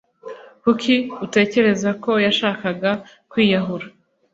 Kuki utekereza ko yashakaga kwiyahura?